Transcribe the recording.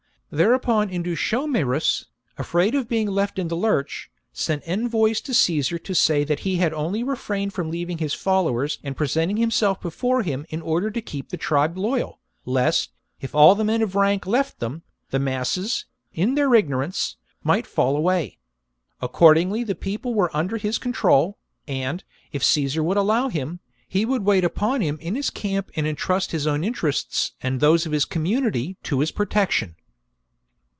Thereupon Indutiomarus, afraid of being left in the lurch, sent envoys to Caesar to say that he had only refrained from leaving his fol lowers and presenting himself before him in order to keep the tribe loyal, lest, if all the men of rank left them, the masses, in their ignorance,, might fall away. Accordingly the people were under his con trol, and, if Caesar would allow him, he would wait upon him in his camp and entrust his own interests and those of the community to his protection.